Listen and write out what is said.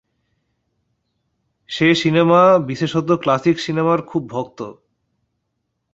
সে cinema, বিশেষত classic সিনেমার খুব ভক্ত।